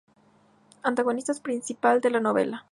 Antagonista principal de la novela.